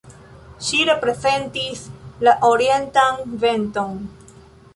Ŝi reprezentis la orientan venton.